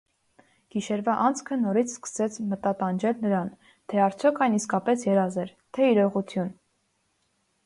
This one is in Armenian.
Գիշերվա անցքը նորից սկսեց մտատանջել նրան, թե արդյոք այն իսկապես երազ էր, թե իրողություն: